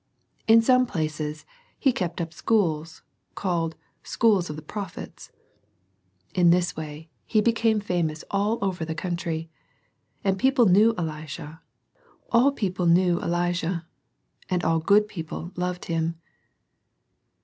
In some places he kept up schools, called " schools of the prophets." In this way he became famous all over the country. All people knew Elisha, and all good people loved him.